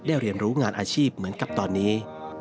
เรียนรู้งานอาชีพเหมือนกับตอนนี้